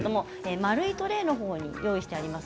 円いトレーに用意してあります。